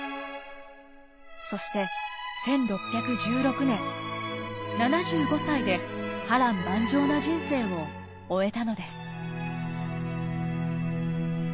そして１６１６年７５歳で波乱万丈な人生を終えたのです。